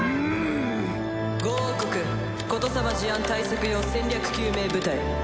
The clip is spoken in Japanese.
五王国異様事案対策用戦略救命部隊。